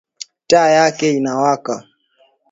Taa yake inawaka